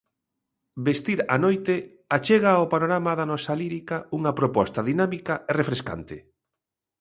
'Vestir a noite' achega ao panorama da nosa lírica unha proposta dinámica e refrescante.